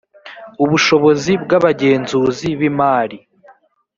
ubushobozi bw abagenzuzi b imari